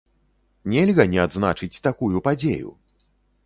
Нельга не адзначыць такую падзею!